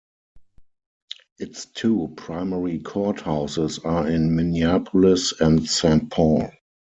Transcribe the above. Its two primary courthouses are in Minneapolis and Saint Paul.